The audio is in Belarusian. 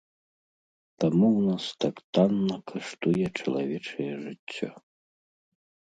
Таму ў нас так танна каштуе чалавечае жыццё.